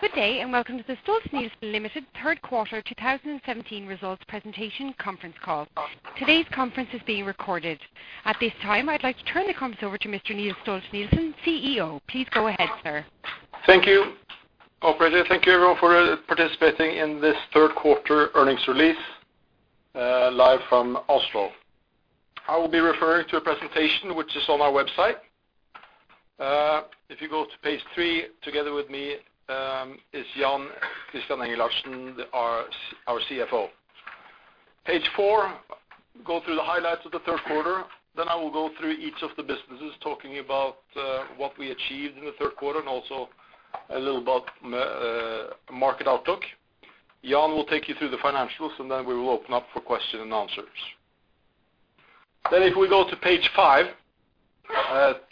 Good day, welcome to the Stolt-Nielsen Limited third quarter 2017 results presentation conference call. Today's conference is being recorded. At this time, I'd like to turn the conference over to Mr. Niels G. Stolt-Nielsen, CEO. Please go ahead, sir. Thank you, operator. Thank you, everyone, for participating in this third quarter earnings release live from Oslo. I will be referring to a presentation which is on our website. If you go to page three, together with me is Jan Chr. Engelhardtsen, our CFO. Page four, go through the highlights of the third quarter. I will go through each of the businesses, talking about what we achieved in the third quarter and also a little about market outlook. Jan will take you through the financials, we will open up for question and answers. If we go to page five,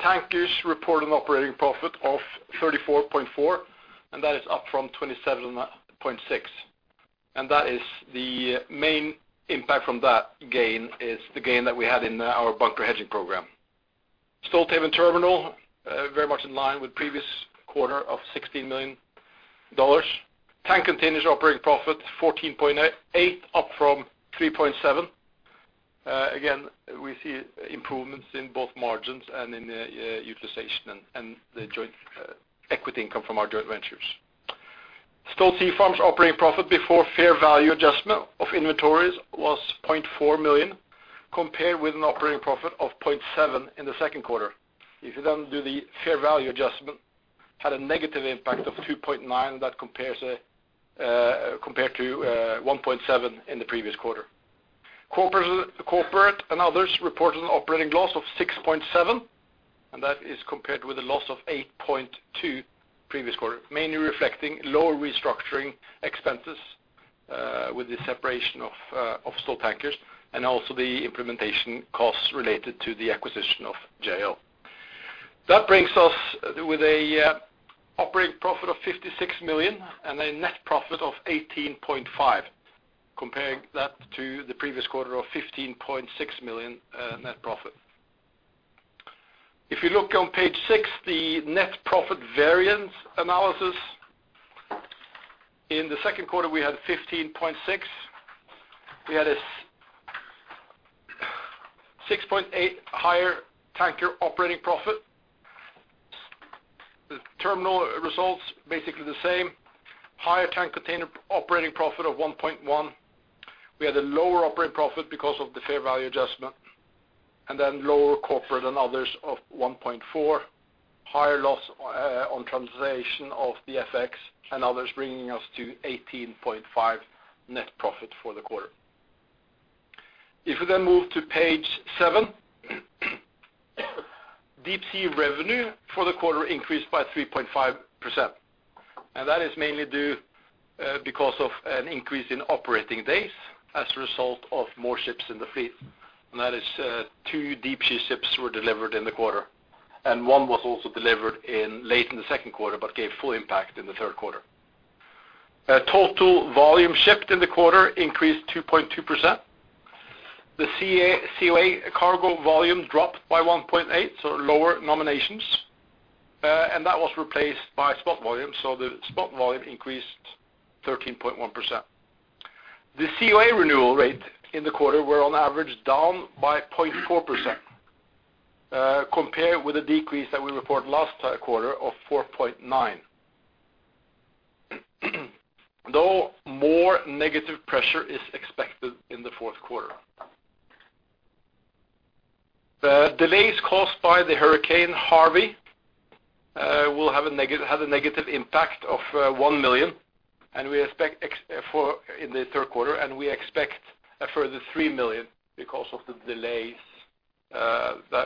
Tankers report an operating profit of $34.4, that is up from $27.6. The main impact from that gain is the gain that we had in our bunker hedging program. Stolthaven Terminals, very much in line with previous quarter of $16 million. Tank Containers operating profit $14.8, up from $3.7. Again, we see improvements in both margins and in the utilization and the joint equity income from our joint ventures. Stolt Sea Farm's operating profit before fair value adjustment of inventories was $0.4 million, compared with an operating profit of $0.7 in the second quarter. If you do the fair value adjustment, had a negative impact of $2.9, that compared to $1.7 in the previous quarter. Corporate and others reported an operating loss of $6.7, that is compared with a loss of $8.2 previous quarter, mainly reflecting lower restructuring expenses with the separation of Stolt Tankers and also the implementation costs related to the acquisition of JO. That brings us with an operating profit of $56 million and a net profit of $18.5, comparing that to the previous quarter of $15.6 million net profit. If you look on page six, the net profit variance analysis. In the second quarter, we had $15.6. We had a $6.8 higher Tanker operating profit. The Stolthaven Terminals results, basically the same. Higher Tank Container operating profit of $1.1. We had a lower operating profit because of the fair value adjustment, then lower Corporate and others of $1.4. Higher loss on translation of the FX and others, bringing us to $18.5 net profit for the quarter. If we move to page seven. Deep Sea revenue for the quarter increased by 3.5%, that is mainly due because of an increase in operating days as a result of more ships in the fleet. That is two Deep Sea ships were delivered in the quarter, one was also delivered late in the second quarter but gave full impact in the third quarter. Total volume shipped in the quarter increased 2.2%. The COA cargo volume dropped by 1.8, lower nominations. That was replaced by spot volume. The spot volume increased 13.1%. The COA renewal rate in the quarter were on average down by 0.4%, compared with a decrease that we reported last quarter of 4.9. More negative pressure is expected in the fourth quarter. The delays caused by Hurricane Harvey had a negative impact of $1 million in the third quarter, and we expect a further $3 million because of the delays in the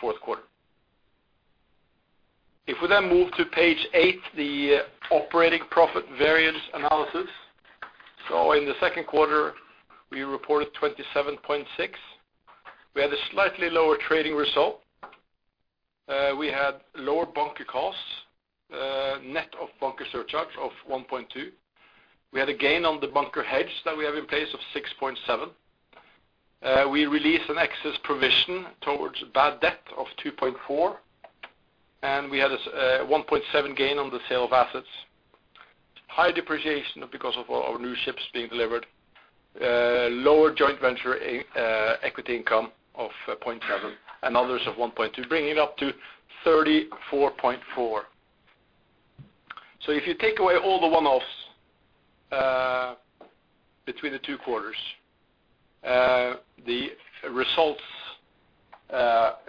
fourth quarter. If we move to page eight, the operating profit variance analysis. In the second quarter, we reported $27.6. We had a slightly lower trading result. We had lower bunker costs, net of bunker surcharge of $1.2. We had a gain on the bunker hedge that we have in place of $6.7. We released an excess provision towards bad debt of $2.4. We had a $1.7 gain on the sale of assets. High depreciation because of our new ships being delivered. Lower joint venture equity income of $0.7 and others of $1.2, bringing it up to $34.4. If you take away all the one-offs between the two quarters, the results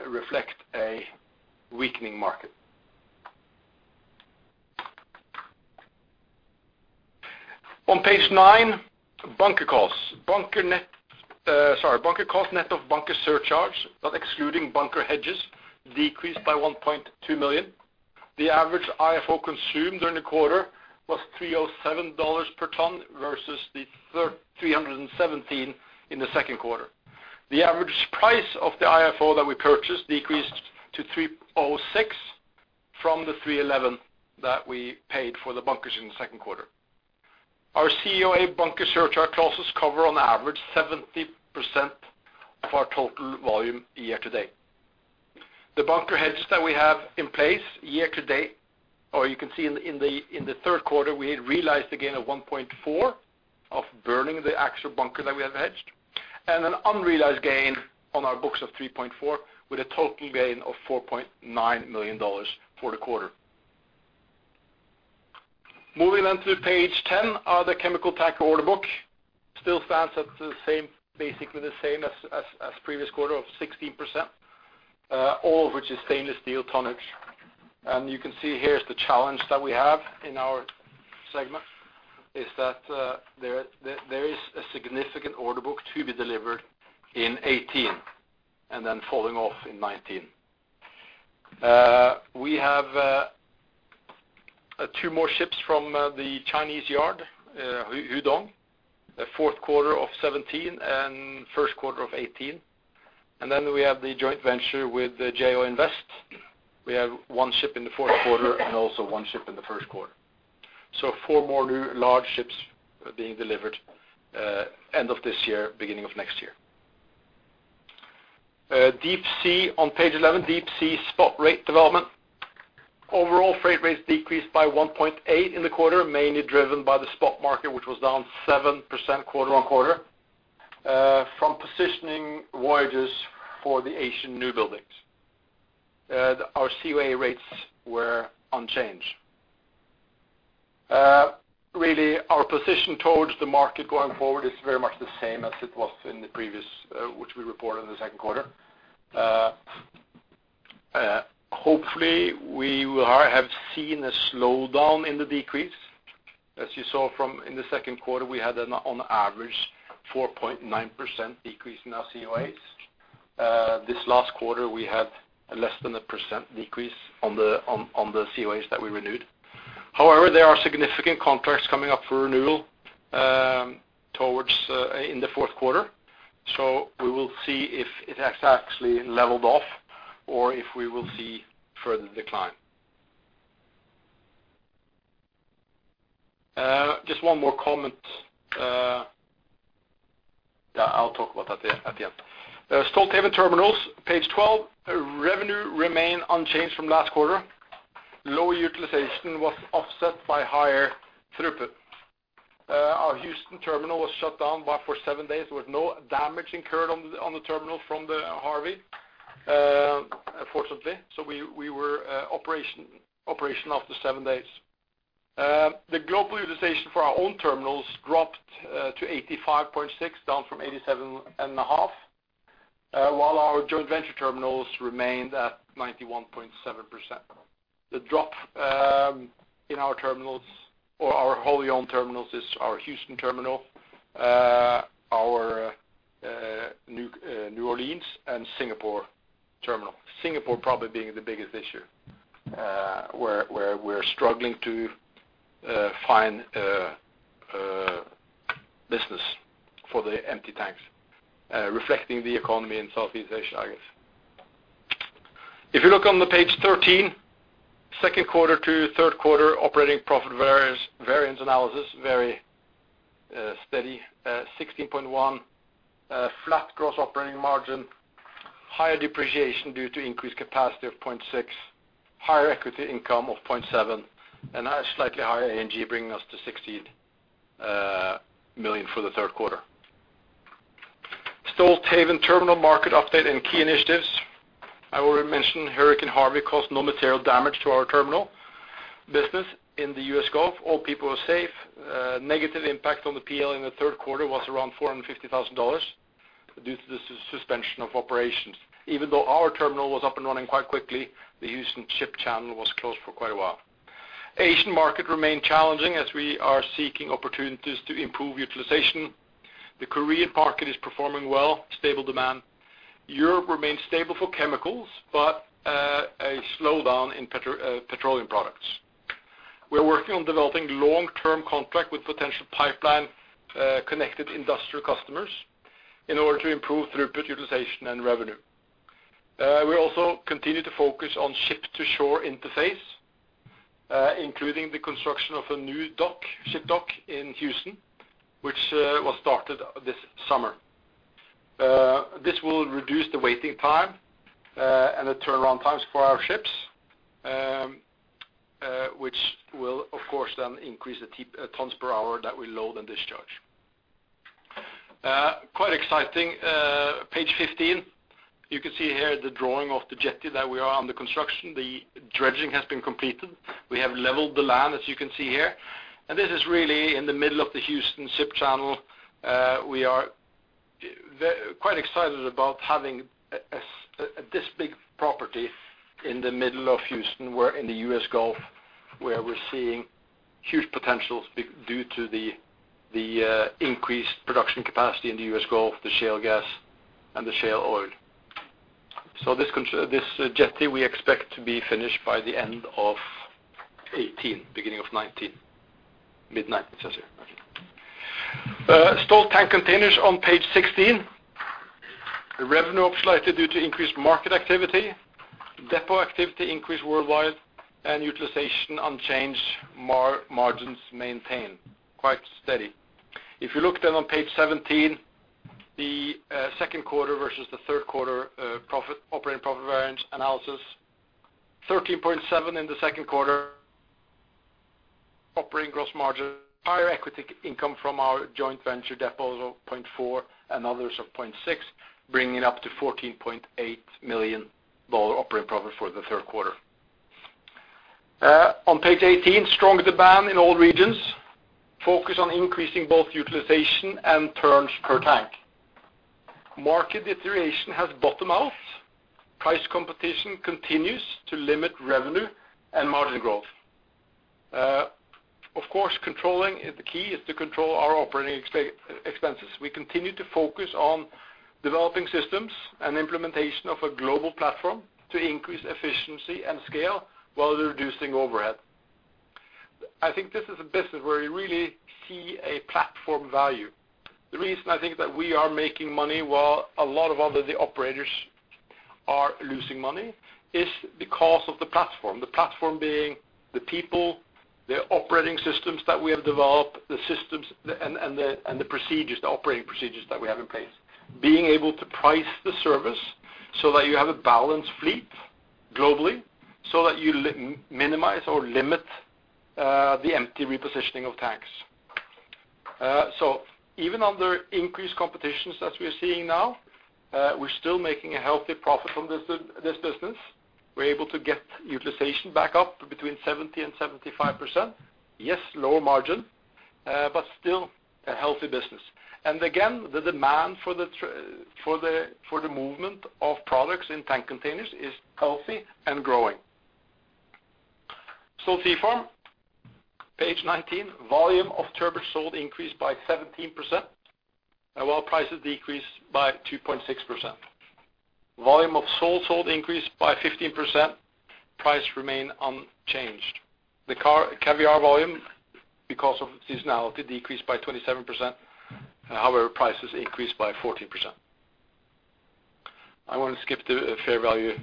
reflect a weakening market. On page nine, bunker costs. Bunker cost net of bunker surcharge, but excluding bunker hedges, decreased by $1.2 million. The average IFO consumed during the quarter was $307 per ton versus the $317 in the second quarter. The average price of the IFO that we purchased decreased to $306 from the $311 that we paid for the bunkers in the second quarter. Our COA bunker surcharge clauses cover on average 70% of our total volume year-to-date. The bunker hedges that we have in place year-to-date, or you can see in the third quarter, we had realized a gain of $1.4 of burning the actual bunker that we have hedged, and an unrealized gain on our books of $3.4, with a total gain of $4.9 million for the quarter. Moving on to page 10, the chemical tanker order book still stands at basically the same as previous quarter of 16%, all of which is stainless steel tonnage. You can see here is the challenge that we have in our segment is that there is a significant order book to be delivered in 2018 and then falling off in 2019. We have two more ships from the Chinese yard, Hudong, fourth quarter of 2017 and first quarter of 2018. We have the joint venture with the JO Invest. We have one ship in the fourth quarter and also one ship in the first quarter. Four more new large ships are being delivered end of this year, beginning of next year. On page 11, deep-sea spot rate development. Overall freight rates decreased by 1.8 in the quarter, mainly driven by the spot market, which was down 7% quarter-on-quarter from positioning voyages for the Asian new buildings. Our COA rates were unchanged. Our position towards the market going forward is very much the same as it was in the previous, which we reported in the second quarter. Hopefully, we will have seen a slowdown in the decrease. As you saw from in the second quarter, we had an on average 4.9% decrease in our COAs. This last quarter, we had less than a % decrease on the COAs that we renewed. However, there are significant contracts coming up for renewal towards in the fourth quarter, we will see if it has actually leveled off or if we will see further decline. Just one more comment. I'll talk about that at the end. Stolthaven Terminals, page 12. Revenue remained unchanged from last quarter. Lower utilization was offset by higher throughput. Our Houston terminal was shut down for seven days with no damage incurred on the terminal from Harvey, fortunately. We were operational after seven days. The global utilization for our own terminals dropped to 85.6%, down from 87.5%, while our joint venture terminals remained at 91.7%. The drop in our terminals or our wholly owned terminals is our Houston terminal, our New Orleans, and Singapore terminal. Singapore probably being the biggest issue, where we're struggling to find business for the empty tanks, reflecting the economy in Southeast Asia, I guess. If you look on the page 13, second quarter to third quarter operating profit variance analysis, very steady, $16.1 million, flat gross operating margin, higher depreciation due to increased capacity of $0.6 million, higher equity income of $0.7 million, and a slightly higher A&G bringing us to $16 million for the third quarter. Stolthaven Terminals market update and key initiatives. I already mentioned Hurricane Harvey caused no material damage to our terminal business in the U.S. Gulf. All people are safe. Negative impact on the P&L in the third quarter was around $450,000 due to the suspension of operations. Even though our terminal was up and running quite quickly, the Houston ship channel was closed for quite a while. Asian market remained challenging as we are seeking opportunities to improve utilization. The Korean market is performing well, stable demand. Europe remains stable for chemicals, a slowdown in petroleum products. We are working on developing long-term contract with potential pipeline connected industrial customers in order to improve throughput utilization and revenue. We also continue to focus on ship-to-shore interface, including the construction of a new ship dock in Houston, which was started this summer. This will reduce the waiting time and the turnaround times for our ships, which will, of course, increase the tons per hour that we load and discharge. Quite exciting. Page 15. You can see here the drawing of the jetty that we are under construction. The dredging has been completed. We have leveled the land, as you can see here, and this is really in the middle of the Houston ship channel. We are quite excited about having this big property in the middle of Houston, in the U.S. Gulf, where we're seeing huge potentials due to the increased production capacity in the U.S. Gulf, the shale gas, and the shale oil. This jetty we expect to be finished by the end of 2018, beginning of 2019. Mid 2019, it says here. Stolt Tank Containers on page 16. The revenue up slightly due to increased market activity. Depot activity increased worldwide and utilization unchanged, margins maintained quite steady. If you look down on page 17, the second quarter versus the third quarter operating profit variance analysis, $13.7 million in the second quarter. Operating gross margin, higher equity income from our joint venture depots of $0.4 million and others of $0.6 million, bringing it up to $14.8 million operating profit for the third quarter. On page 18, strong demand in all regions. Focus on increasing both utilization and turns per tank. Market deterioration has bottomed out. Price competition continues to limit revenue and margin growth. Of course, controlling is the key, to control our operating expenses. We continue to focus on developing systems and implementation of a global platform to increase efficiency and scale while reducing overhead. I think this is a business where you really see a platform value. The reason I think that we are making money while a lot of other operators are losing money is because of the platform. The platform being the people, the operating systems that we have developed, the systems and the operating procedures that we have in place. Being able to price the service so that you have a balanced fleet globally, so that you minimize or limit the empty repositioning of tanks. Even under increased competitions as we are seeing now, we're still making a healthy profit from this business. We're able to get utilization back up between 70% and 75%. Yes, lower margin, but still a healthy business. Again, the demand for the movement of products in tank containers is healthy and growing. Stolt Sea Farm, page 19. Volume of turbot sold increased by 17%, while prices decreased by 2.6%. Volume of sole sold increased by 15%, price remained unchanged. The caviar volume, because of seasonality, decreased by 27%. However, prices increased by 14%. I want to skip to fair value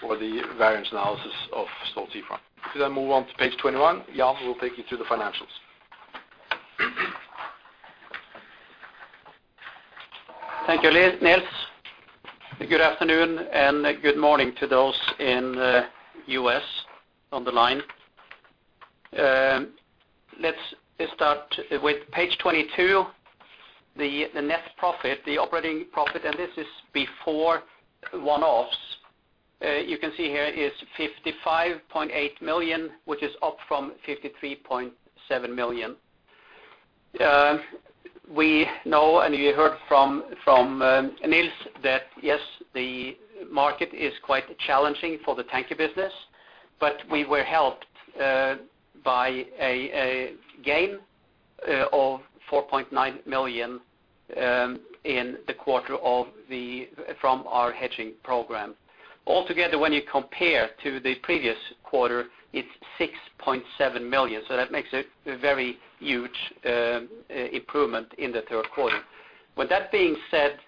for the variance analysis of Stolt Sea Farm. We move on to page 21. Jan will take you through the financials. Thank you, Niels. Good afternoon and good morning to those in the U.S. on the line. Let's start with page 22, the net profit, the operating profit, this is before one-offs. You can see here is $55.8 million, which is up from $53.7 million. We know, you heard from Niels that, yes, the market is quite challenging for the tanker business, but we were helped by a gain of $4.9 million in the quarter from our hedging program. Altogether, when you compare to the previous quarter, it's $6.7 million. That makes a very huge improvement in the third quarter. With that being said,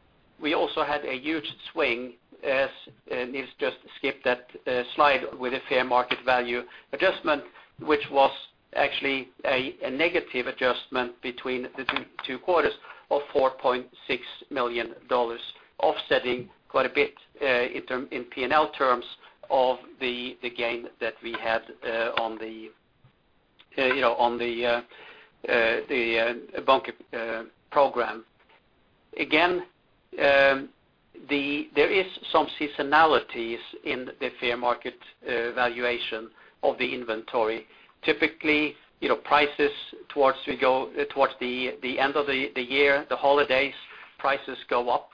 we also had a huge swing, as Niels just skipped that slide with a fair market value adjustment, which was actually a negative adjustment between the two quarters of $4.6 million, offsetting quite a bit in P&L terms of the gain that we had on the bunker program. There is some seasonality in the fair market valuation of the inventory. Typically, towards the end of the year, the holidays, prices go up,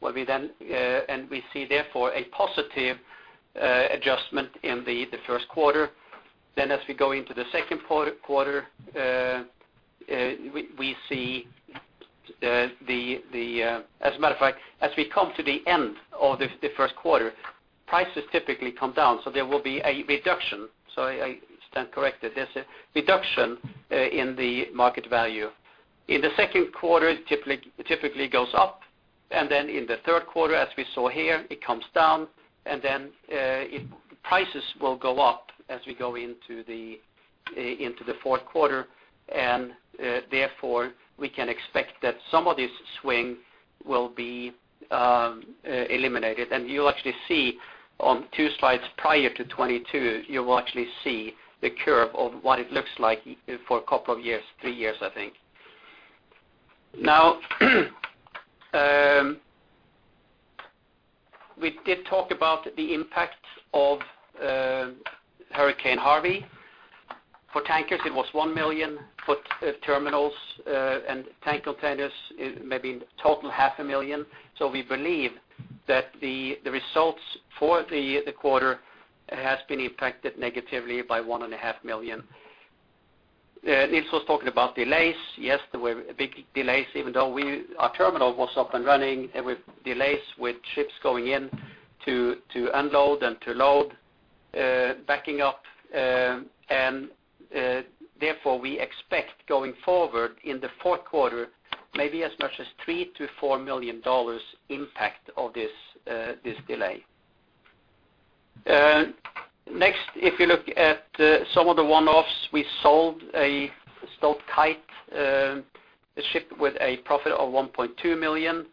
we see, therefore, a positive adjustment in the first quarter. As we go into the second quarter, as a matter of fact, as we come to the end of the first quarter, prices typically come down. There will be a reduction. Sorry, I stand corrected. There's a reduction in the market value. In the second quarter, it typically goes up, then in the third quarter, as we saw here, it comes down, then prices will go up as we go into the fourth quarter. Therefore, we can expect that some of this swing will be eliminated. You'll actually see on two slides prior to 22, you will actually see the curve of what it looks like for a couple of years, three years, I think. We did talk about the impact of Hurricane Harvey. For tankers, it was $1 million. For terminals and tank containers, maybe in total, half a million. So we believe that the results for the quarter has been impacted negatively by one and a half million. Niels was talking about delays. Yes, there were big delays, even though our terminal was up and running with delays with ships going in to unload and to load. Backing up, therefore, we expect going forward in the fourth quarter, maybe as much as $3 million-$4 million impact of this delay. Next, if you look at some of the one-offs, we sold a Stolt Kite, a ship with a profit of $1.2 million.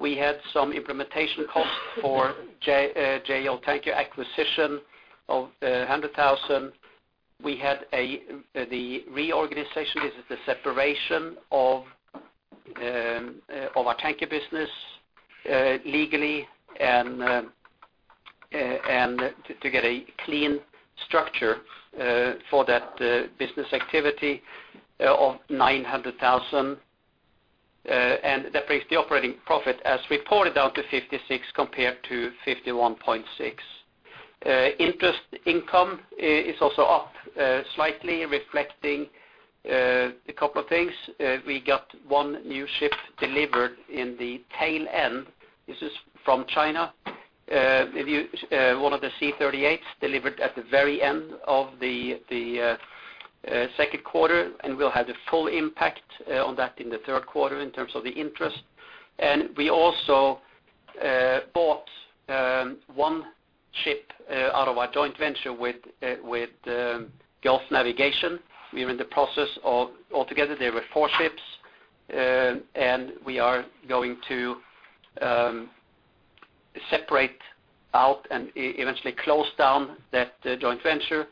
We had some implementation costs for Jo Tankers acquisition of $100,000. We had the reorganization, this is the separation of our tanker business legally and to get a clean structure for that business activity of $900,000. That brings the operating profit as reported down to $56 compared to $51.6. Interest income is also up slightly reflecting a couple of things. We got one new ship delivered in the tail end. This is from China. One of the C38s delivered at the very end of the second quarter, we'll have the full impact on that in the third quarter in terms of the interest. We also bought one ship out of our joint venture with Gulf Navigation. Altogether there were four ships, and we are going to separate out and eventually close down that joint venture.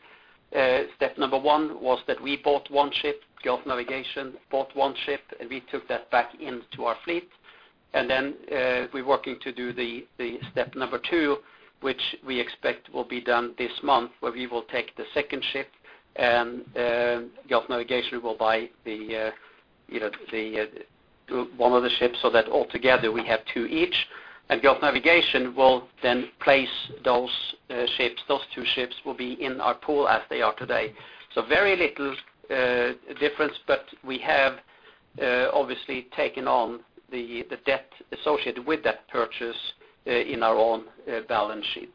Step number 1 was that we bought one ship, Gulf Navigation bought one ship, and we took that back into our fleet. Then we're working to do the step number 2, which we expect will be done this month, where we will take the second ship, and Gulf Navigation will buy one of the ships so that altogether we have two each. Gulf Navigation will then place those two ships will be in our pool as they are today. Very little difference, but we have obviously taken on the debt associated with that purchase in our own balance sheet.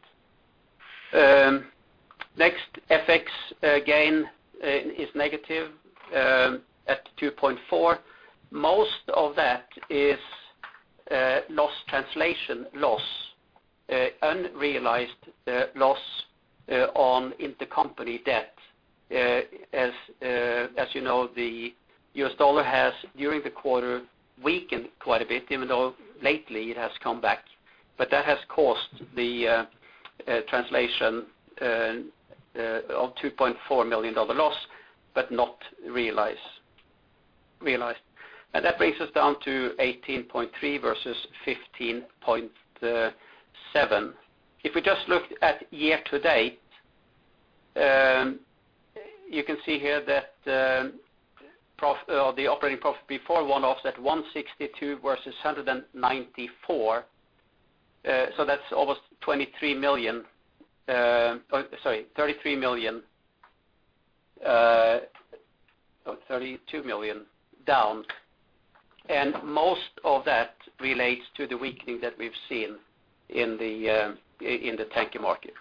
Next, FX gain is negative at $2.4. Most of that is translation loss, unrealized loss on intercompany debt. As you know, the US dollar has, during the quarter, weakened quite a bit, even though lately it has come back. That has caused the translation of $2.4 million loss, but not realized. That brings us down to $18.3 versus $15.7. If we just look at year to date, you can see here that the operating profit before one-offs at $162 versus $194. That's almost $33 million, no $32 million down. Most of that relates to the weakening that we've seen in the tanker market.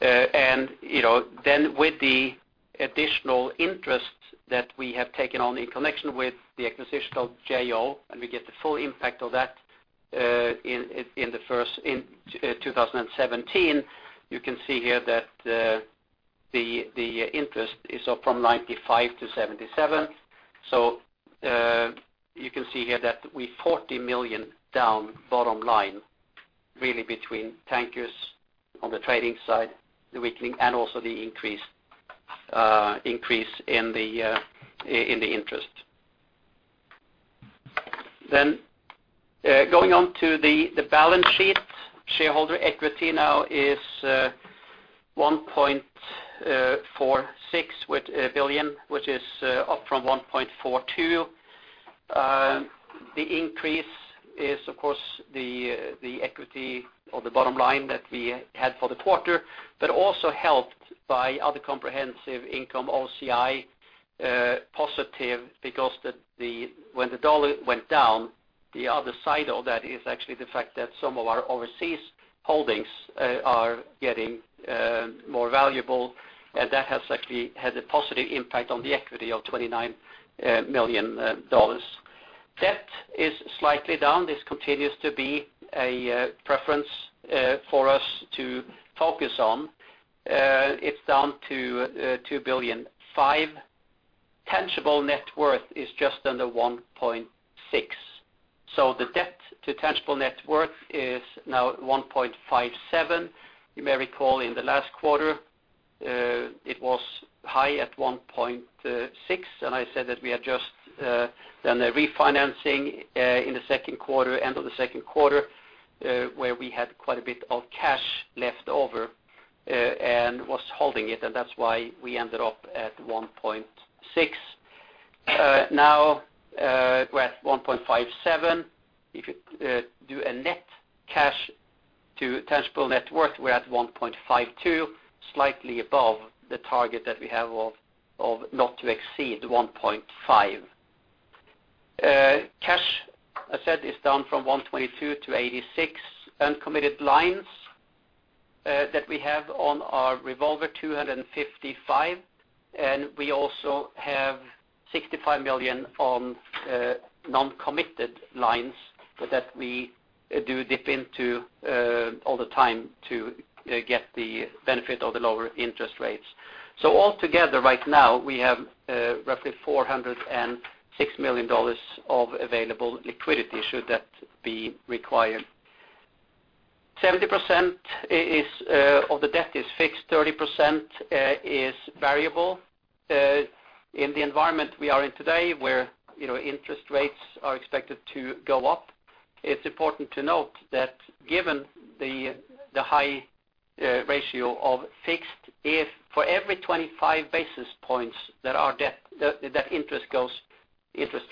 With the additional interest that we have taken on in connection with the acquisition of J.O., we get the full impact of that in 2017. You can see here that the interest is up from 95 to 77. You can see here that we're $40 million down bottom line, really between tankers on the trading side, the weakening, and also the increase in the interest. Going on to the balance sheet. Shareholder equity now is $1.46 billion, which is up from $1.42. The increase is, of course, the equity or the bottom line that we had for the quarter, also helped by other comprehensive income, OCI, positive because when the dollar went down, the other side of that is actually the fact that some of our overseas holdings are getting more valuable, and that has actually had a positive impact on the equity of $29 million. Debt is slightly down. This continues to be a preference for us to focus on. It's down to $2.05 billion. Tangible net worth is just under 1.6. The debt to tangible net worth is now 1.57. You may recall in the last quarter, it was high at 1.6, I said that we had just done a refinancing in the second quarter, end of the second quarter, where we had quite a bit of cash left over and was holding it, that's why we ended up at 1.6. Now, we're at 1.57. If you do a net cash to tangible net worth, we're at 1.52, slightly above the target that we have of not to exceed 1.5. Cash, I said, is down from $122 to $86. Uncommitted lines that we have on our revolver, $255 million. We also have $65 million on non-committed lines that we do dip into all the time to get the benefit of the lower interest rates. All together, right now, we have roughly $406 million of available liquidity, should that be required. 70% of the debt is fixed, 30% is variable. In the environment we are in today, where interest rates are expected to go up, it's important to note that given the high ratio of fixed, if for every 25 basis points that interest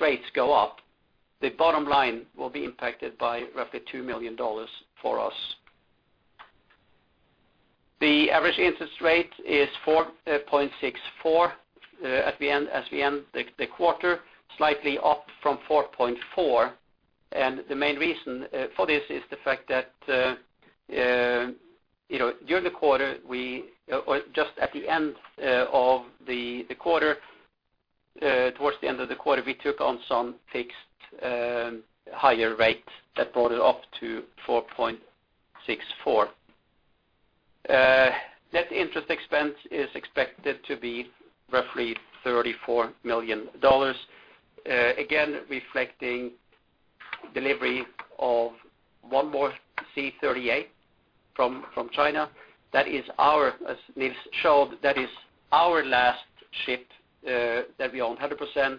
rates go up, the bottom line will be impacted by roughly $2 million for us. The average interest rate is 4.64% as we end the quarter, slightly up from 4.4%, the main reason for this is the fact that during the quarter, or just at the end of the quarter, towards the end of the quarter, we took on some fixed higher rate that brought it up to 4.64%. Net interest expense is expected to be roughly $34 million. Again, reflecting delivery of one more C38 from China. As Niels showed, that is our last ship that we own 100%.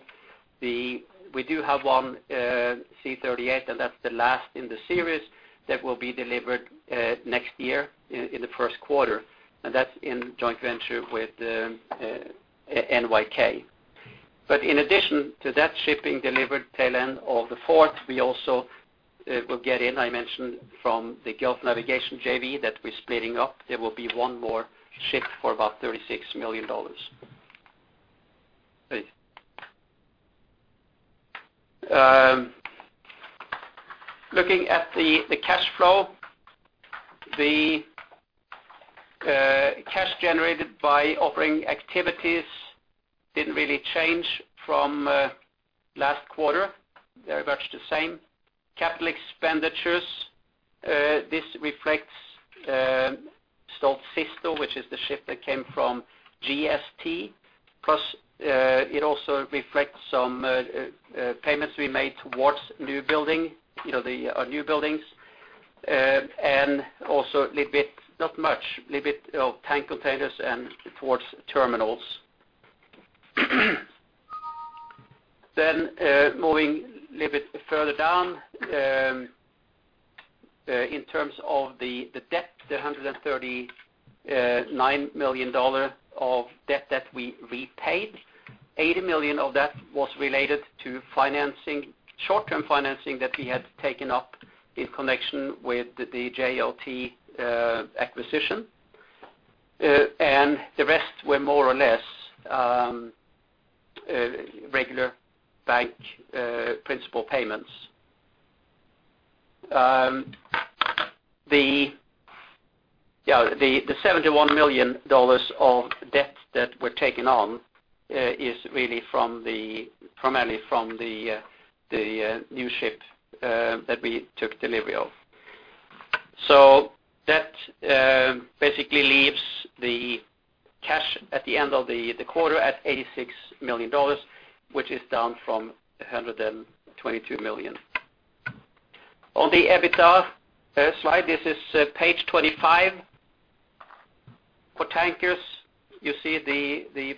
We do have one C38, and that's the last in the series that will be delivered next year in the first quarter, and that's in joint venture with NYK. In addition to that shipping delivered tail end of the fourth, we also will get in, I mentioned from the Gulf Navigation JV that we're splitting up, there will be one more ship for about $36 million. Looking at the cash flow, the cash generated by offering activities didn't really change from last quarter. They're much the same. Capital expenditures, this reflects Stolt Sisto, which is the ship that came from GST, plus it also reflects some payments we made towards our new buildings, and also a little bit, not much, a little bit of tank containers and towards terminals. Moving a little bit further down, in terms of the debt, the $139 million of debt that we repaid, $80 million of that was related to short-term financing that we had taken up in connection with the Jo Tankers acquisition. The rest were more or less regular bank principal payments. The $71 million of debt that we're taking on is primarily from the new ship that we took delivery of. That basically leaves the cash at the end of the quarter at $86 million, which is down from $122 million. On the EBITDA slide, this is page 25. For tankers, you see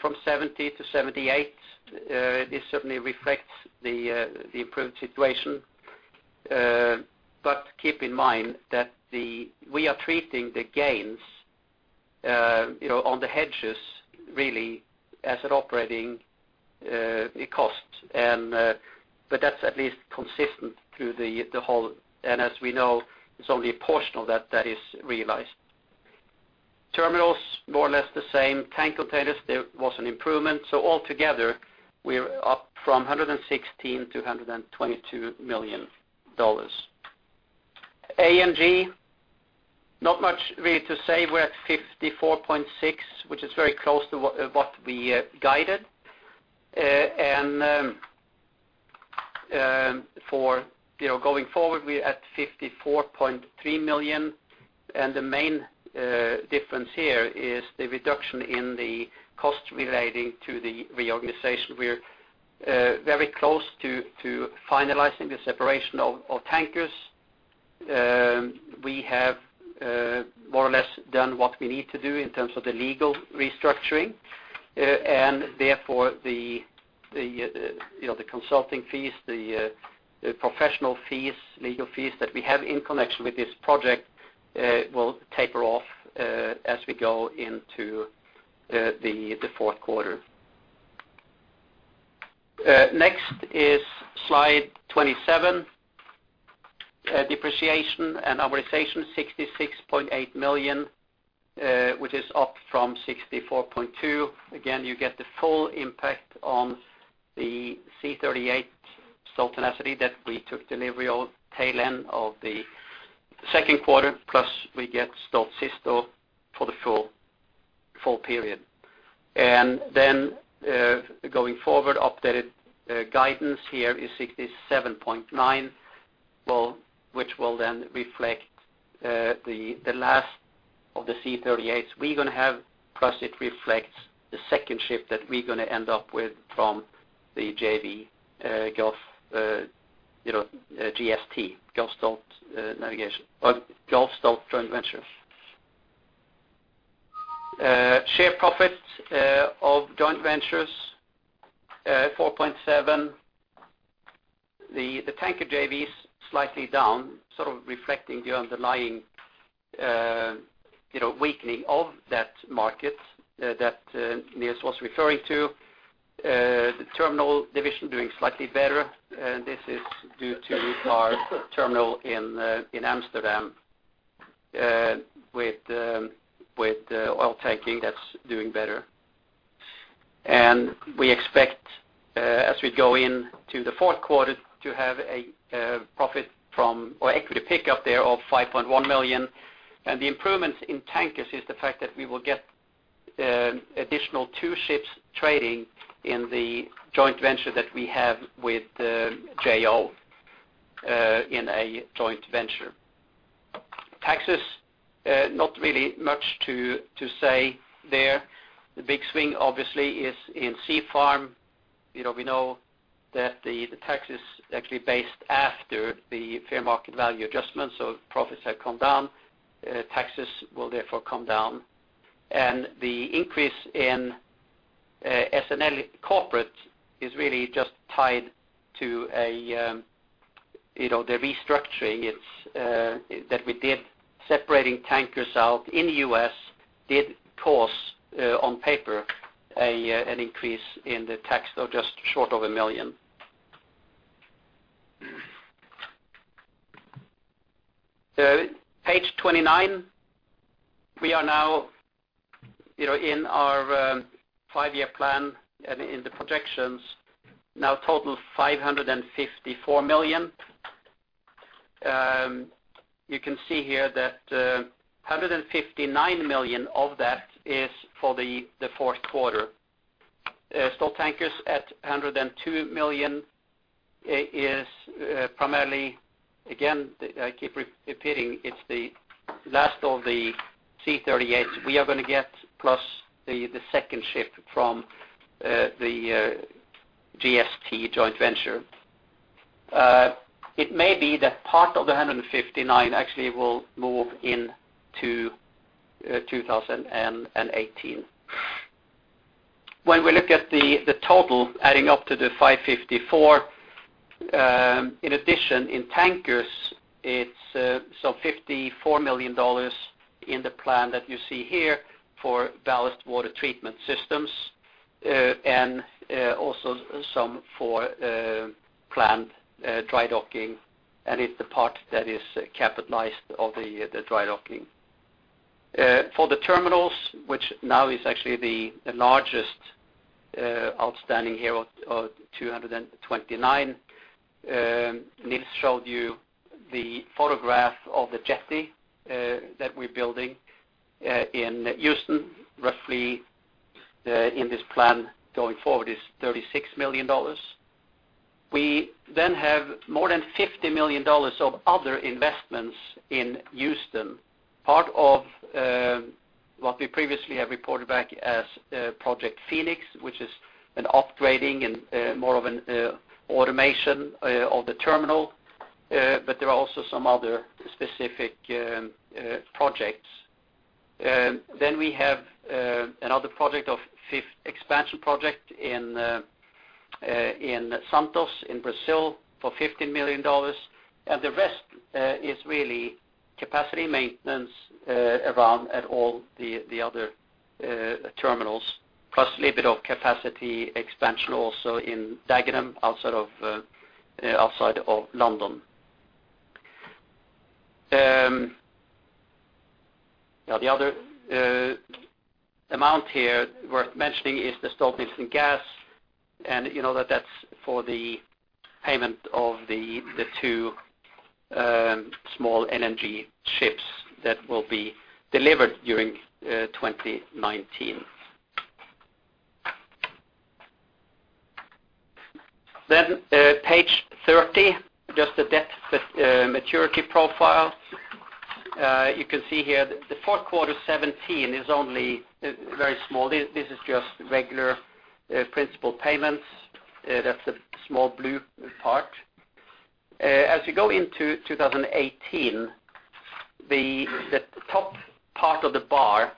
from $70 million to $78 million. This certainly reflects the improved situation. Keep in mind that we are treating the gains on the hedges really as an operating cost. That's at least consistent through the whole, and as we know, it's only a portion of that that is realized. Terminals, more or less the same. Tank containers, there was an improvement. All together, we're up from $116 million to $122 million. A&G, not much really to say. We're at $54.6 million, which is very close to what we guided. Going forward, we're at $54.3 million, and the main difference here is the reduction in the cost relating to the reorganization. We're very close to finalizing the separation of tankers. We have more or less done what we need to do in terms of the legal restructuring, and therefore the consulting fees, the professional fees, legal fees that we have in connection with this project will taper off as we go into the fourth quarter. Next is slide 27 Depreciation and amortization, $66.8 million, which is up from $64.2 million. Again, you get the full impact on the C38, Stolt Tenacity, that we took delivery of tail end of the second quarter, plus we get Stolt Sisto for the full period. Going forward, updated guidance here is $67.9 million, which will then reflect the last of the C38s we're going to have, plus it reflects the second ship that we're going to end up with from the JV, GST, Gulf Stolt Joint Venture. Share profit of joint ventures, $4.7 million. The tanker JV is slightly down, reflecting the underlying weakening of that market that Niels was referring to. The terminal division doing slightly better. This is due to our terminal in Amsterdam, with Oiltanking, that's doing better. We expect, as we go into the fourth quarter, to have a profit from, or equity pick up there of $5.1 million. The improvements in tankers is the fact that we will get additional two ships trading in the joint venture that we have with JO, in a joint venture. Taxes, not really much to say there. The big swing, obviously, is in Stolt Sea Farm. We know that the tax is actually based after the fair market value adjustment, so profits have come down. Taxes will therefore come down. The increase in SNL Corporate is really just tied to the restructuring that we did. Separating tankers out in the U.S. did cause, on paper, an increase in the tax of just short of $1 million. Page 29. We are now in our five-year plan, and in the projections now total $554 million. You can see here that $159 million of that is for the fourth quarter. Stolt Tankers at $102 million is primarily, again, I keep repeating, it's the last of the C38s we are going to get, plus the second ship from the GST joint venture. It may be that part of the $159 actually will move into 2018. When we look at the total adding up to the $554, in addition, in tankers, it's some $54 million in the plan that you see here for ballast water treatment systems, and also some for planned dry docking, and it's the part that is capitalized of the dry docking. For the terminals, which now is actually the largest outstanding here of $229. Niels showed you the photograph of the jetty that we're building in Houston, roughly in this plan going forward is $36 million. We have more than $50 million of other investments in Houston. Part of what we previously have reported back as Project Phoenix, which is an upgrading and more of an automation of the terminal. There are also some other specific projects. We have another expansion project in Santos in Brazil for $15 million. The rest is really capacity maintenance around at all the other terminals, plus a little bit of capacity expansion also in Dagenham, outside of London. The other amount here worth mentioning is the Stolt-Nielsen Gas, and you know that that's for the payment of the two small LNG ships that will be delivered during 2019. Page 30, just the debt maturity profile. You can see here the fourth quarter 2017 is only very small. This is just regular principal payments. That's the small blue part. We go into 2018, the top part of the bar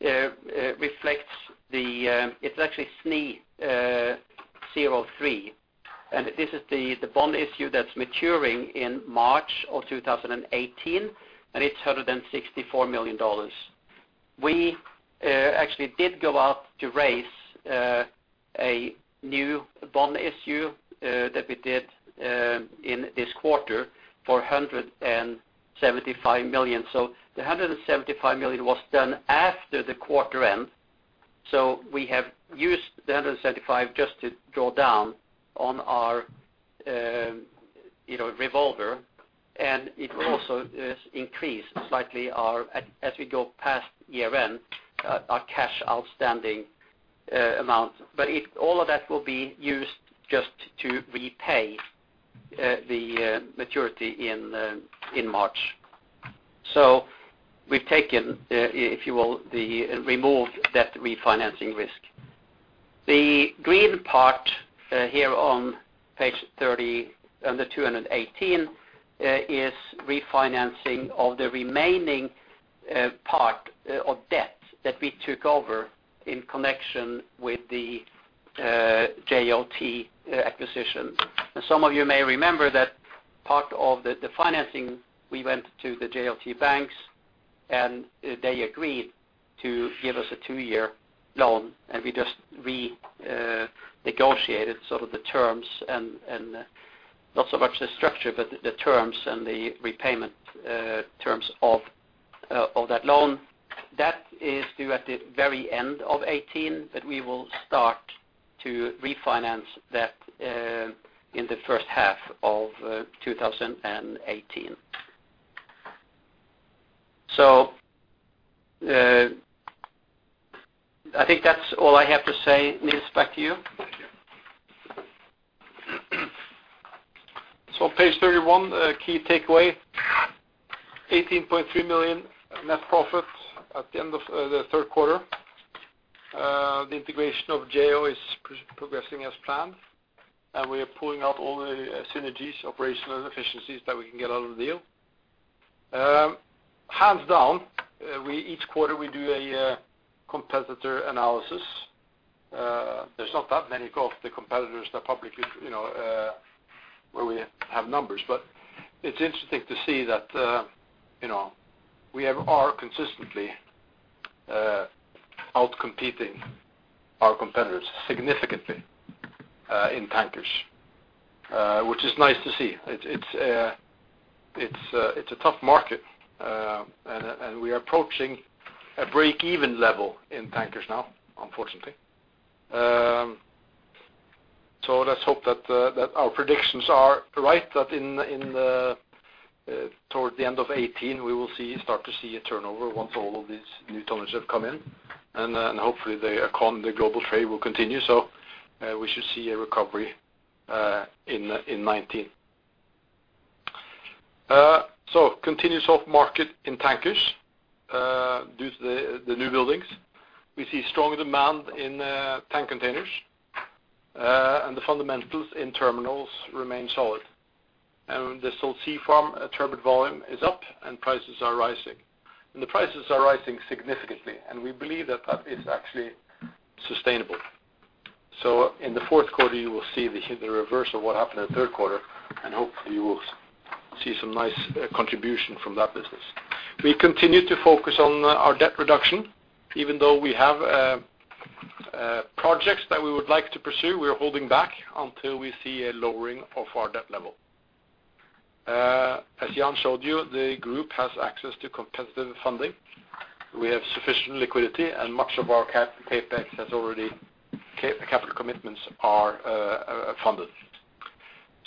reflects it's actually SNE03, and this is the bond issue that's maturing in March of 2018, and it's $164 million. We actually did go out to raise a new bond issue that we did in this quarter for $175 million. The $175 million was done after the quarter end. We have used the $175 just to draw down on our revolver, and it will also increase slightly as we go past year-end, our cash outstanding amount. All of that will be used just to repay the maturity in March. We've taken, if you will, removed that refinancing risk. The green part here on page 30 under 2018 is refinancing of the remaining part of debt that we took over in connection with the Jo Tankers acquisitions. Some of you may remember that part of the financing, we went to the JO banks, they agreed to give us a two-year loan, we just renegotiated the terms and not so much the structure, but the terms and the repayment terms of that loan. That is due at the very end of 2018, but we will start to refinance that in the first half of 2018. I think that's all I have to say. Niels, back to you. Thank you. Page 31, key takeaway, $18.3 million net profit at the end of the third quarter. The integration of JO is progressing as planned, we are pulling out all the synergies, operational efficiencies that we can get out of the deal. Hands down, each quarter we do a competitor analysis. There's not that many of the competitors that publicly where we have numbers, but it's interesting to see that we are consistently outcompeting our competitors significantly in tankers, which is nice to see. It's a tough market, we are approaching a break-even level in tankers now, unfortunately. Let's hope that our predictions are right, that towards the end of 2018, we will start to see a turnover once all of these new tonnage have come in. Hopefully the global trade will continue, we should see a recovery in 2019. Continuous soft market in tankers due to the new buildings. We see strong demand in tank containers. The fundamentals in terminals remain solid. The Stolt Sea Farm turbot volume is up, prices are rising. The prices are rising significantly, we believe that that is actually sustainable. In the fourth quarter, you will see the reverse of what happened in the third quarter, hopefully you will see some nice contribution from that business. We continue to focus on our debt reduction. Even though we have projects that we would like to pursue, we are holding back until we see a lowering of our debt level. As Jan showed you, the group has access to competitive funding. We have sufficient liquidity and much of our CapEx has already, capital commitments are funded.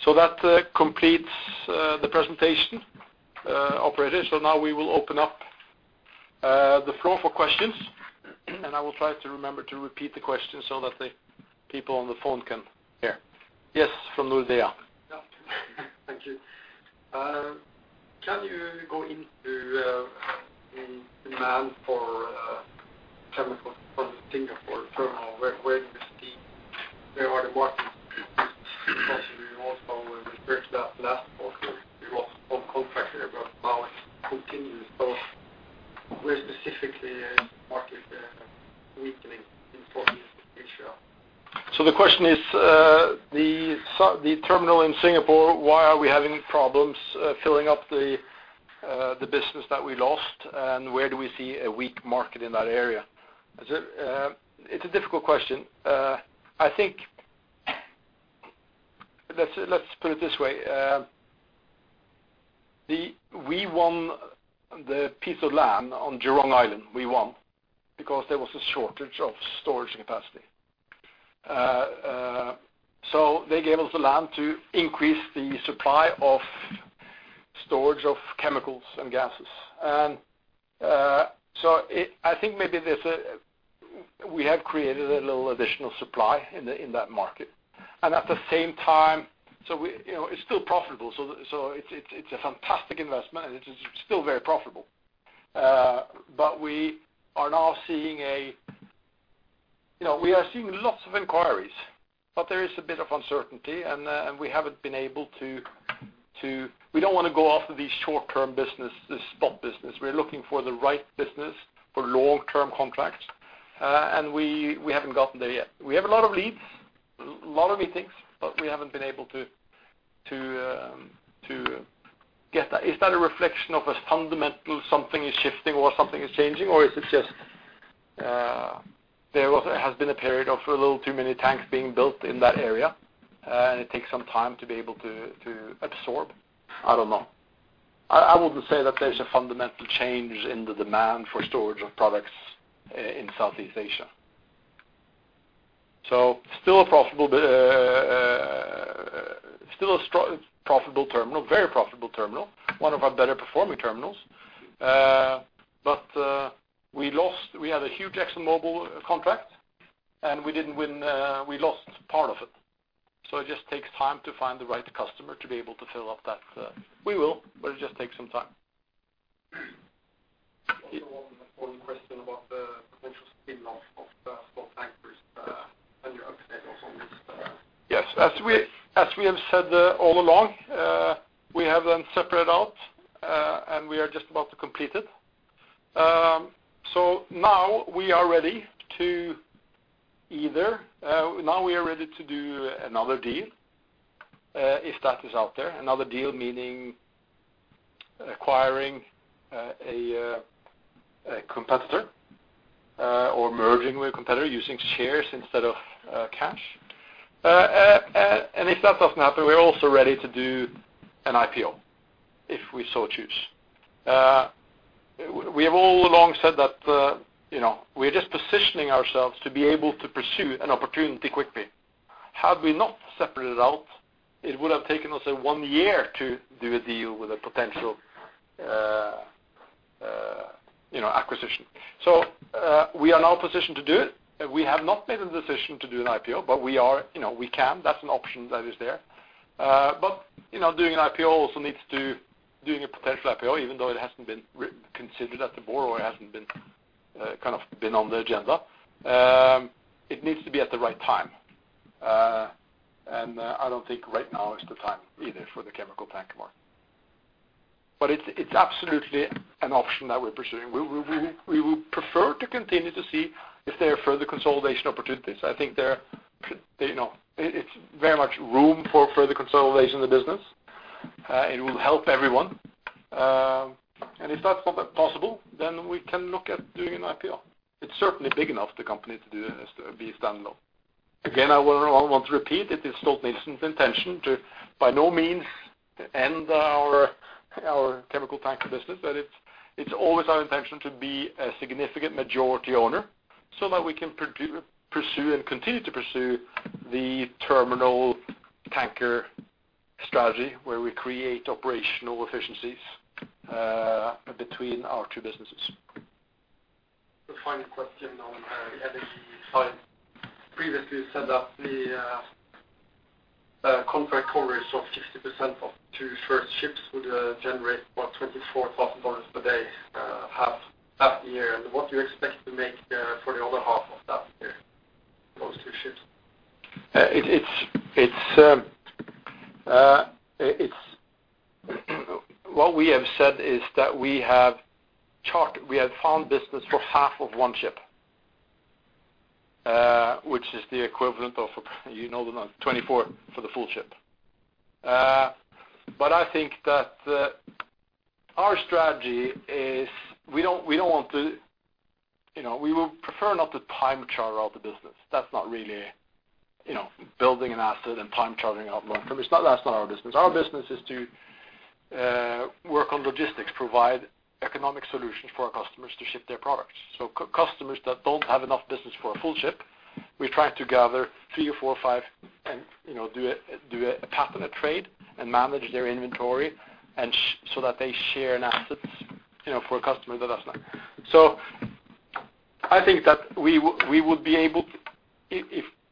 That completes the presentation. Operator, now we will open up the floor for questions. I will try to remember to repeat the question so that the people on the phone can hear. Yes, from Nordea. Yeah. Thank you. Can you go into demand for chemical from Singapore terminal, where you see there are the markets possibly also with that last quarter, you lost some contract there, but now it continues. Where specifically market weakening in 2023? The question is, the terminal in Singapore, why are we having problems filling up the business that we lost, and where do we see a weak market in that area? It's a difficult question. Let's put it this way. The piece of land on Jurong Island we won because there was a shortage of storage capacity. They gave us the land to increase the supply of storage of chemicals and gases. I think maybe we have created a little additional supply in that market. At the same time, it's still profitable. It's a fantastic investment, and it is still very profitable. We are now seeing lots of inquiries, but there is a bit of uncertainty, and we don't want to go after these short-term business, the spot business. We are looking for the right business for long-term contracts. We haven't gotten there yet. We have a lot of leads, a lot of meetings, but we haven't been able to get that. Is that a reflection of a fundamental something is shifting or something is changing? Is it just there has been a period of a little too many tanks being built in that area, and it takes some time to be able to absorb? I don't know. I wouldn't say that there's a fundamental change in the demand for storage of products in Southeast Asia. Still a very profitable terminal, one of our better-performing terminals. We had a huge ExxonMobil contract, and we lost part of it. It just takes time to find the right customer to be able to fill up that. We will, but it just takes some time. One question about the potential spin-off of Stolt Tankers and your update also on this. Yes, as we have said all along, we have them separated out, and we are just about to complete it. Now we are ready to do another deal if that is out there. Another deal meaning acquiring a competitor or merging with a competitor using shares instead of cash. If that does not happen, we are also ready to do an IPO if we so choose. We have all along said that we are just positioning ourselves to be able to pursue an opportunity quickly. Had we not separated it out, it would have taken us one year to do a deal with a potential acquisition. We are now positioned to do it, and we have not made a decision to do an IPO, but we can. That is an option that is there. Doing a potential IPO, even though it has not been considered at the board or it has not been on the agenda, it needs to be at the right time. I don't think right now is the time either for the chemical tanker market. It is absolutely an option that we are pursuing. We will prefer to continue to see if there are further consolidation opportunities. I think there is very much room for further consolidation of the business. It will help everyone. If that is not possible, we can look at doing an IPO. It is certainly big enough, the company, to be standalone. Again, I want to repeat, it is Stolt-Nielsen's intention to by no means end our chemical tanker business. That it is always our intention to be a significant majority owner so that we can pursue and continue to pursue the terminal tanker strategy where we create operational efficiencies between our two businesses. The final question on the energy side. Previously you said that the contract coverage of 50% of two first ships would generate about $24,000 per day half the year. What do you expect to make for the other half of that year for those two ships? What we have said is that we have found business for half of one ship, which is the equivalent of, you know the amount, $24,000 for the full ship. I think that our strategy is we would prefer not to time charter out the business. That's not really building an asset and time chartering out one. That's not our business. Our business is to work on logistics, provide economic solutions for our customers to ship their products. Customers that don't have enough business for a full ship, we try to gather three or four or five and do a pattern of trade and manage their inventory so that they share an asset for a customer that does not. I think that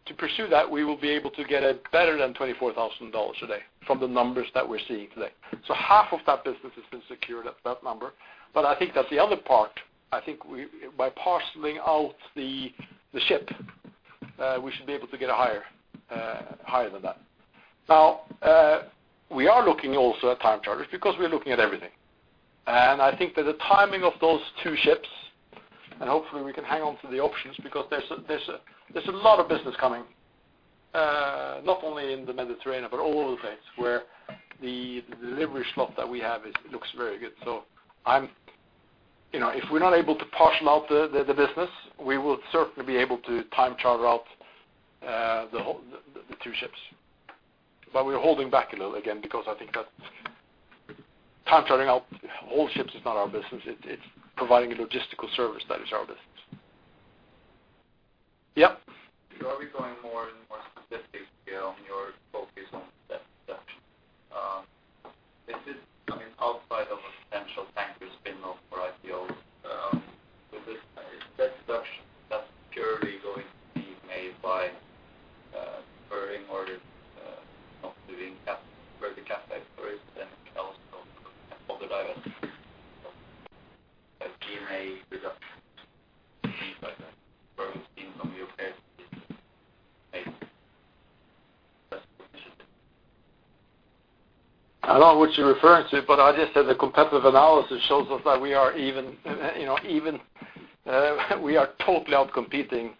to pursue that, we will be able to get a better than $24,000 a day from the numbers that we're seeing today. Half of that business has been secured at that number. I think that the other part, I think by parceling out the ship, we should be able to get higher than that. We are looking also at time charters because we are looking at everything. I think that the timing of those two ships, and hopefully we can hang on to the options because there's a lot of business coming, not only in the Mediterranean, but all over the place where the delivery slot that we have looks very good. If we're not able to parcel out the business, we will certainly be able to time charter out the two ships. We are holding back a little again, because I think that time chartering out all ships is not our business. It's providing a logistical service that is our business. Yep. You are becoming more and more specific here on your focus on debt reduction. This is, outside of a potential tanker spin-off or IPO, is debt reduction, that purely going to be made by deferring or not doing capital expenditures and also putting capital on the balance sheet? Or is there a D&A reduction to be done by growing income compared to maybe less efficient? I don't know what you're referring to, I just said the competitive analysis shows us that we are totally out-competing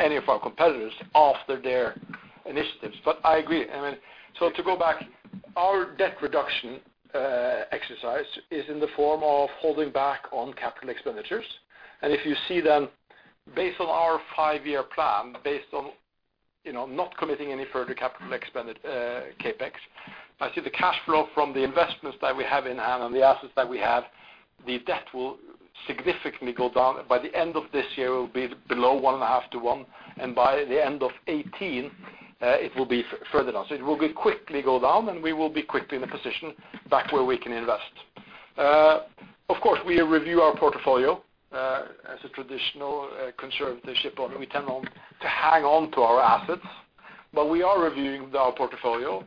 any of our competitors after their initiatives. I agree. To go back, our debt reduction exercise is in the form of holding back on capital expenditures. If you see then, based on our five-year plan, based on not committing any further CapEx, I see the cash flow from the investments that we have in hand and the assets that we have, the debt will significantly go down. By the end of this year, it will be below 1.5 to one, and by the end of 2018, it will be further down. It will quickly go down, and we will be quickly in a position back where we can invest. Of course, we review our portfolio. As a traditional conservative shipowner, we tend to hang on to our assets. We are reviewing our portfolio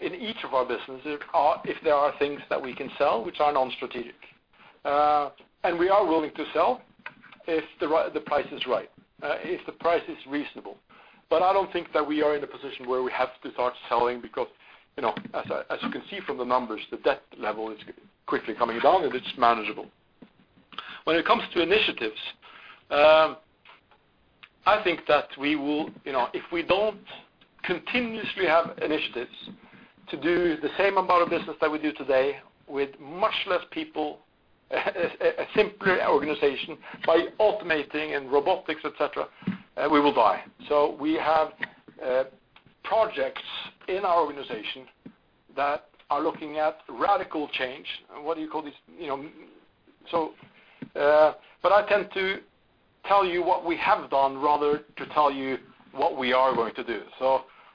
in each of our businesses, if there are things that we can sell which are non-strategic. We are willing to sell if the price is right, if the price is reasonable. I don't think that we are in a position where we have to start selling because, as you can see from the numbers, the debt level is quickly coming down and it's manageable. When it comes to initiatives, I think that if we don't continuously have initiatives to do the same amount of business that we do today with much less people, a simpler organization by automating and robotics, et cetera, we will die. We have projects in our organization that are looking at radical change. What do you call these? I tend to tell you what we have done rather than tell you what we are going to do.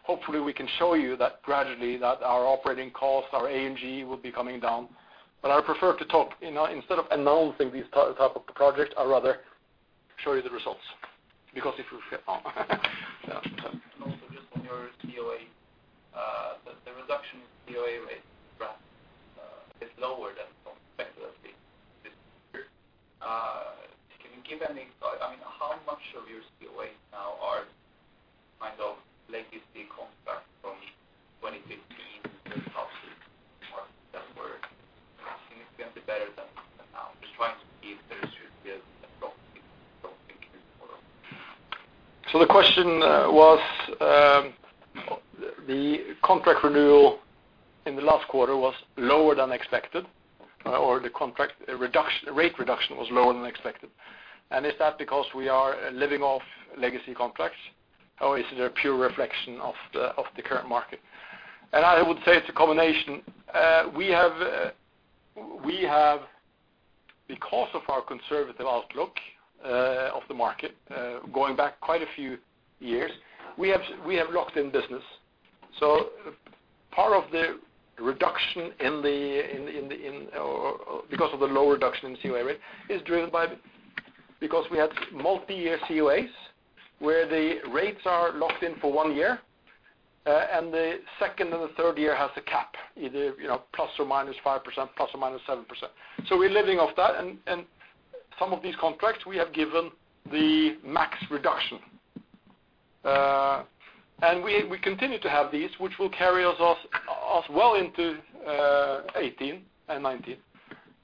Hopefully we can show you that gradually that our operating costs, our A&G, will be coming down. I prefer to talk, instead of announcing these type of projects, I would rather show you the results. Also just on your COA, the reduction in COA rate perhaps is lower than expected this year. Can you give any insight? How much of your COAs now are legacy contracts from 2015 that were significantly better than now? Just trying to see if there should be a drop in this quarter. The question was, the contract renewal in the last quarter was lower than expected, or the rate reduction was lower than expected. Is that because we are living off legacy contracts, or is it a pure reflection of the current market? I would say it's a combination. We have, because of our conservative outlook of the market, going back quite a few years, we have locked in business. Part of the reduction, because of the low reduction in COA rate, is driven by because we had multi-year COAs where the rates are locked in for one year, and the second and the third year has a cap, either ±5%, ±7%. We're living off that, and some of these contracts, we have given the max reduction. We continue to have these, which will carry us well into 2018 and 2019.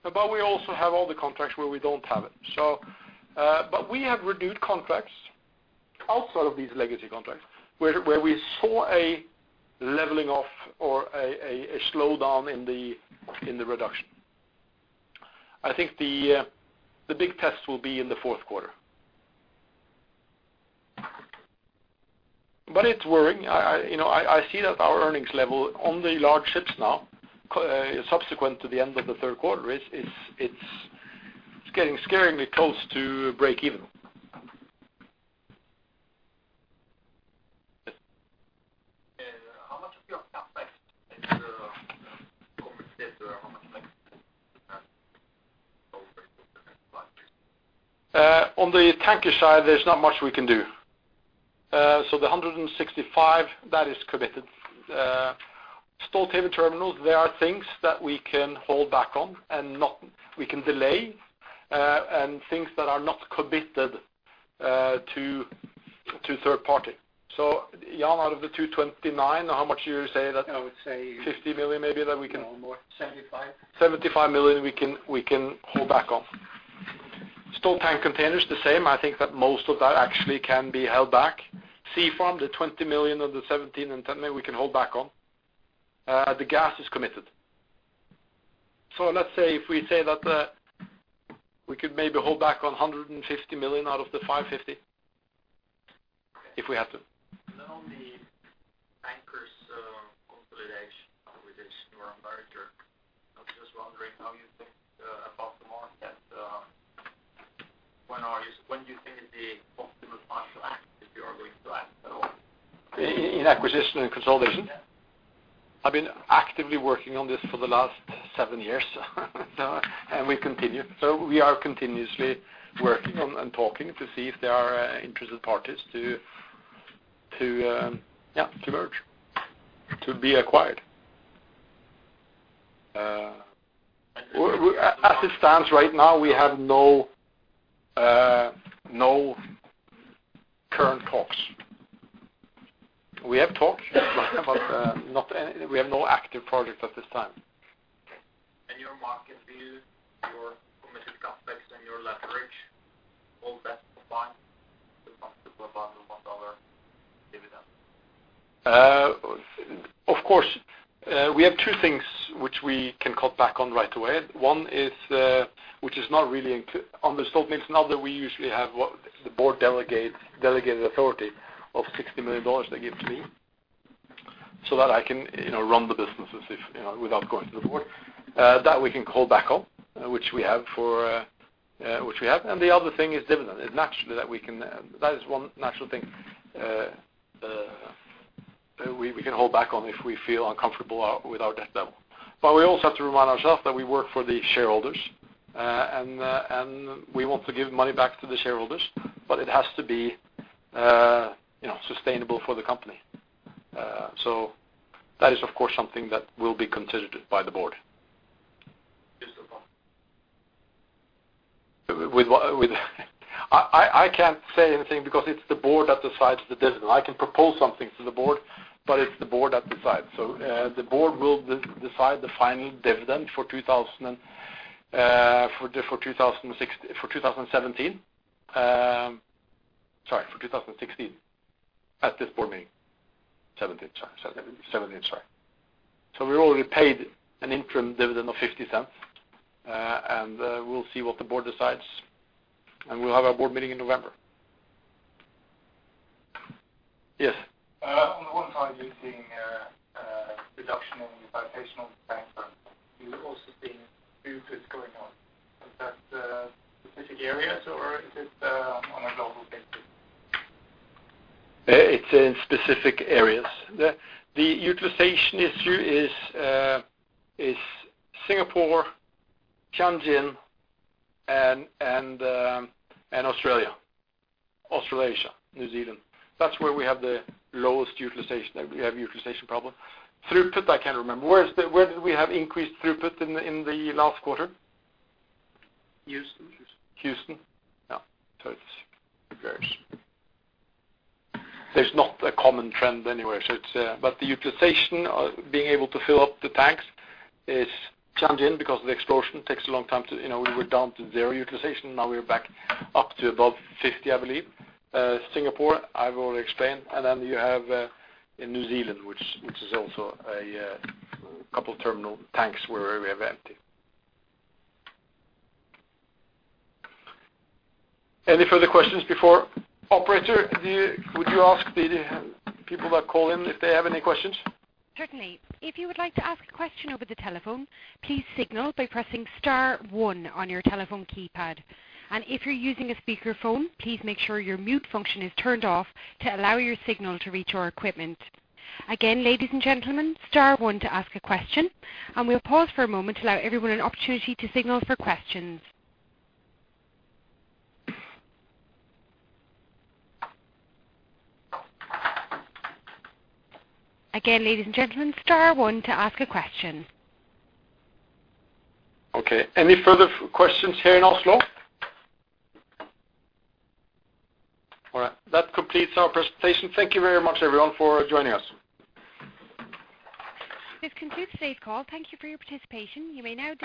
We also have all the contracts where we don't have it. We have renewed contracts outside of these legacy contracts, where we saw a leveling off or a slowdown in the reduction. I think the big test will be in the fourth quarter. It's worrying. I see that our earnings level on the large ships now, subsequent to the end of the third quarter, it's getting scarily close to break even. How much of your CapEx is committed, or how much On the tanker side, there's not much we can do. The $165, that is committed. Stolthaven Terminals, there are things that we can hold back on, and we can delay, and things that are not committed to third party. Jan, out of the $229, how much do you say that I would say $50 million maybe that we can. No, more. $75. $75 million we can hold back on. Stolt Tank Containers, the same. I think that most of that actually can be held back. Stolt Sea Farm, the $20 million of the $17 and $10 maybe we can hold back on. Stolt-Nielsen Gas is committed. Let's say if we say that we could maybe hold back on $150 million out of the $550, if we had to. On the tankers consolidation with this new merger, I was just wondering how you think about the market. When do you think is the optimal time to act, if you are going to act at all? In acquisition and consolidation? Yeah. I've been actively working on this for the last seven years and we continue. We are continuously working on and talking to see if there are interested parties to merge, to be acquired. As it stands right now, we have no current talks. We have talks, but we have no active project at this time. Your market view, your committed CapEx and your leverage, all that combined will come to above $1 dividend? Of course, we have two things which we can cut back on right away. One is, which is not really on the Stolt-Nielsen, not that we usually have what the board delegated authority of $60 million they give to me so that I can run the businesses without going to the board, that we can call back on which we have. The other thing is dividend. That is one natural thing we can hold back on if we feel uncomfortable with our debt level. We also have to remind ourselves that we work for the shareholders, and we want to give money back to the shareholders, but it has to be sustainable for the company. That is, of course, something that will be considered by the board. Just a follow-up. I can't say anything because it's the board that decides the dividend. I can propose something to the board, but it's the board that decides. The board will decide the final dividend for 2017. Sorry, for 2016, at this board meeting. 2017, sorry. We already paid an interim dividend of $0.50, and we'll see what the board decides. We'll have our board meeting in November. Yes. On the one side, you're seeing a reduction in the operational backlog, but you're also seeing throughput going on. Is that specific areas, or is it on a global basis? It's in specific areas. The utilization issue is Singapore, Tianjin, and Australia. Australasia, New Zealand. That's where we have the lowest utilization, that we have utilization problem. Throughput, I can't remember. Where did we have increased throughput in the last quarter? Houston. Houston? Yeah. It varies. There's not a common trend anywhere. The utilization, being able to fill up the tanks is Tianjin because the explosion takes a long time. We were down to zero utilization. We are back up to above 50, I believe. Singapore, I've already explained. You have in New Zealand, which is also a couple terminal tanks where we are very empty. Any further questions before Operator, would you ask the people that call in if they have any questions? Certainly. If you would like to ask a question over the telephone, please signal by pressing star one on your telephone keypad. If you're using a speakerphone, please make sure your mute function is turned off to allow your signal to reach our equipment. Again, ladies and gentlemen, star one to ask a question, and we'll pause for a moment to allow everyone an opportunity to signal for questions. Again, ladies and gentlemen, star one to ask a question. Okay. Any further questions here in Oslo? All right. That completes our presentation. Thank you very much, everyone, for joining us. This concludes today's call. Thank you for your participation. You may now disconnect.